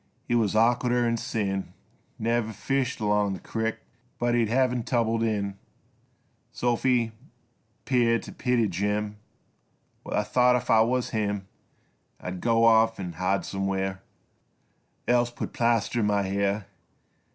He wuz awkarder 'n' sin, Never fished along the crick But he'd hev t' tumble in. Sophy 'peared t' pity Jim While I thought if I wuz him I'd go off 'n' hide somewhere Else put plaster on my hair.